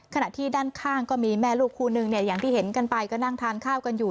ขณะที่ด้านข้างก็มีแม่ลูกคู่นึงเนี่ยอย่างที่เห็นกันไปก็นั่งทานข้าวกันอยู่